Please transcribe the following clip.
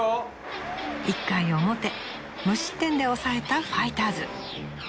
１回表無失点で抑えたファイターズ。